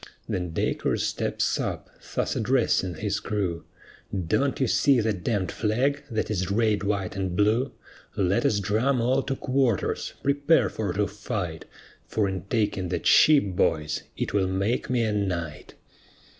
Then Dacres steps up, thus addressing his crew: "Don't you see that d d flag that is red, white, and blue; Let us drum all to quarters, prepare for to fight, For in taking that ship boys, it will make me a knight."